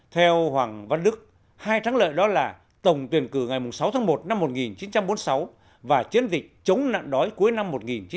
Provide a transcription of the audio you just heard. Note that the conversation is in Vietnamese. theo hoàng văn đức hai thắng lợi đó là tổng tuyển cử ngày sáu tháng một năm một nghìn chín trăm bốn mươi sáu và chiến dịch chống nạn đói cuối năm một nghìn chín trăm bảy mươi năm